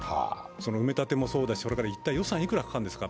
埋め立てもそうだし、一体予算がいくらかかるんですかと。